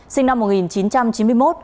sinh năm một nghìn chín trăm chín mươi một